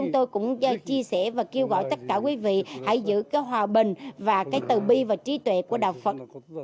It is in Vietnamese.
tôi cũng chia sẻ và kêu gọi tất cả quý vị hãy giữ cái hòa bình và cái từ bi và trí tuệ của đạo phật